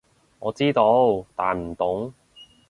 我知道，但唔懂